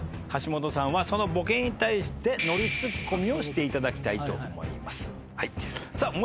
橋本さんはそのボケに対してノリツッコミをしていただきたいと思います。